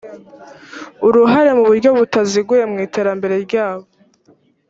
uruhare mu buryo butaziguye mu iterambere ryabo